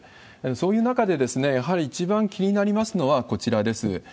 そういう中で、やはり一番気になりますのはこちらです。